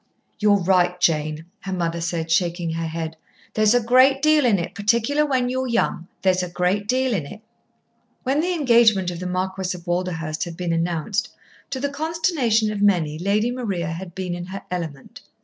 "You're right, Jane!" her mother said, shaking her head. "There's a great deal in it, particular when you're young. There's a great deal in it." When the engagement of the Marquis of Walderhurst had been announced, to the consternation of many, Lady Maria had been in her element.